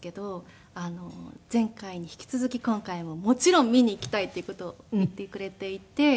前回に引き続き今回ももちろん見に行きたいっていう事を言ってくれていて。